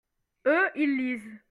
eux, ils lisent.